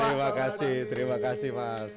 terima kasih terima kasih mas